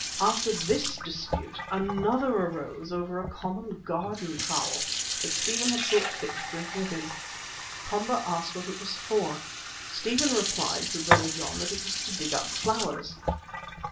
After this dispute, another arose over a common garden trowel that Stephen had thought fit to bring with him. Komba asked what it was for. Stephen replied through Brother John that it was to dig up flowers.